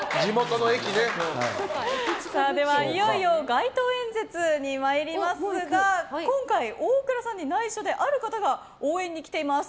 では、いよいよ街頭演説に参りますが今回、大倉さんに内緒である方が応援に来ています。